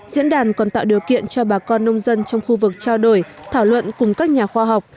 diễn đàn còn tạo điều kiện cho bà con nông dân trong khu vực trao đổi thảo luận cùng các nhà khoa học